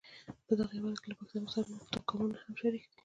په دغه هېواد کې له پښتنو سره نور توکمونه هم شریک دي.